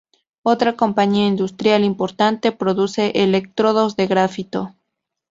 Otra compañía industrial importante produce electrodos de grafito.